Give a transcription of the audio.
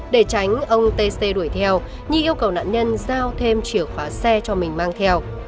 để tránh ông t c đuổi theo nhi yêu cầu nạn nhân giao thêm chìa khóa xe cho mình mang theo